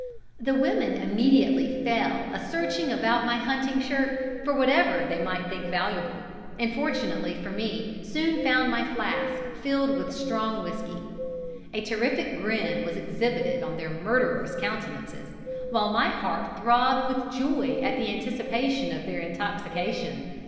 The women immediately fell a searching about my hunting shirt for whatever they might think valuable, and fortunately for me soon found my flask filled with strong whiskey. "'A terrific grin was exhibited on their murderous countenances, while my heart throbbed with joy at the anticipation of their intoxication.